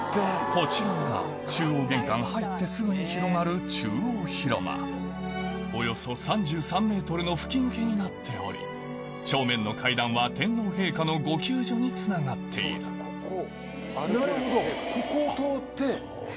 こちらが中央玄関入ってすぐに広がるおよそ３３ｍの吹き抜けになっており正面の階段は天皇陛下の御休所につながっているなるほどここを通って。